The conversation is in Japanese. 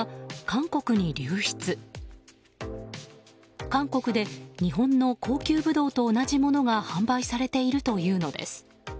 韓国で日本の高級ブドウと同じものが販売されているというのです。